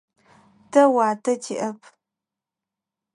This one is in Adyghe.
Тэ уатэ тиӏэп.